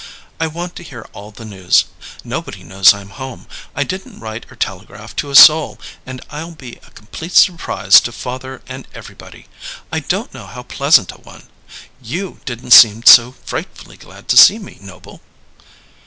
"I want to hear all the news. Nobody knows I'm home. I didn't write or telegraph to a soul; and I'll be a complete surprise to father and everybody I don't know how pleasant a one! You didn't seem so frightfully glad to see me, Noble!"